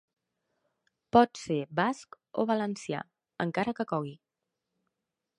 Pot ser basc o valencià, encara que cogui.